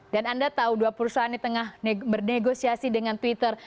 dan anda tahu dua perusahaan ini tengah bernegosiasi dengan twitter